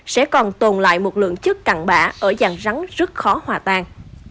sẽ còn tồn lại một lượng chất cặn bã ở dàn rắn rất khó hòa tan